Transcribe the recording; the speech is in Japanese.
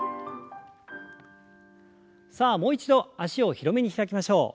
さあもう一度脚を広めに開きましょう。